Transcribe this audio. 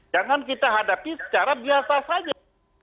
jangan kita hadapi secara biasa saja